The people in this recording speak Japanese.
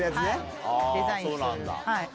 そうなんだ。